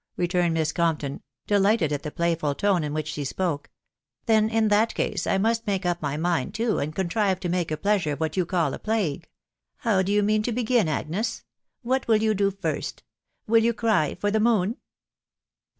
*' returned Miss Compton, delighted at the playful tone in which she spoke; " then, in that case, I must make up my mind too, and contrive to make a pleasure of what you call a plague. How do you mean to begin, Agnes ?.... What will you do first ?.... Will you cry for the moon